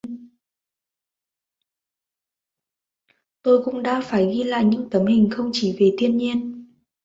Tôi cũng đã phải ghi lại những tấm hình không chỉ về thiên nhiên